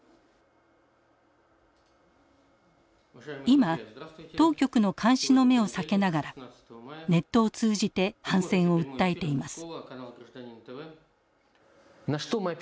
今当局の監視の目を避けながらネットを通じて反戦を訴えています。